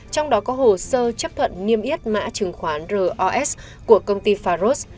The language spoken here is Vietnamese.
trong đó có hồ sơ chấp thuận niêm yết mã chứng khoán ros của công ty faros